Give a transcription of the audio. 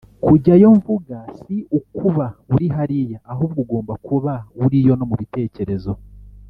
kujyayo mvuga si ukuba uri hariya ahubwo ugomba kuba uriyo no mu bitekerezo